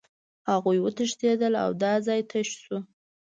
هغوی وتښتېدل او دا ځای تش شو